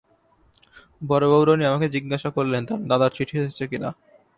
বড়োবউরানী আমাকে জিজ্ঞাসা করলেন তাঁর দাদার চিঠি এসেছে কি না।